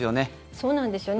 そうなんですよね。